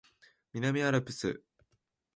南アルプス